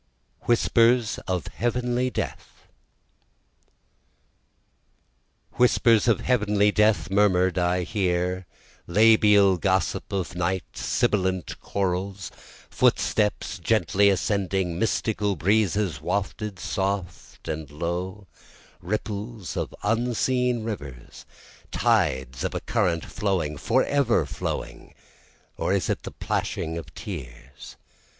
Whispers of Heavenly Death Whispers of heavenly death murmur'd I hear, Labial gossip of night, sibilant chorals, Footsteps gently ascending, mystical breezes wafted soft and low, Ripples of unseen rivers, tides of a current flowing, forever flowing, (Or is it the plashing of tears?